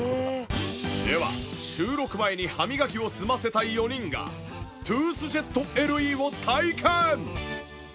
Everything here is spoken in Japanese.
では収録前に歯磨きを済ませた４人がトゥースジェットＬＥを体験！